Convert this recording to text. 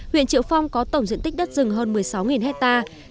huyện triệu phong có tổng diện tích đất rừng hơn một mươi sáu hectare